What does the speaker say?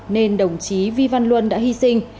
nên đồng chí vi văn luân đã hy sinh